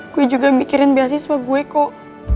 gue juga mikirin beasiswa gue kok